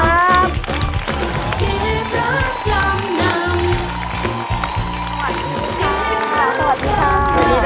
สวัสดีค่ะ